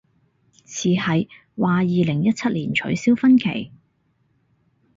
似係，話二零一七年取消婚期